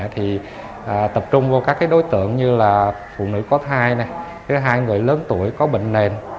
thì tập trung vô các đối tượng như là phụ nữ có thai này hai người lớn tuổi có bệnh nền